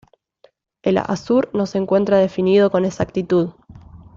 El azur no se encuentra definido con exactitud.